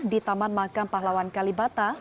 di taman makam pahlawan kalibata